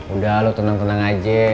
udah lo tenang tenang aja